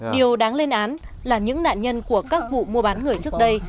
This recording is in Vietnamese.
điều đáng lên án là những nạn nhân của các vụ mua bán người trước đây